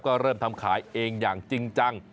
ก็เริ่มทำขายเองอย่างจริงจัง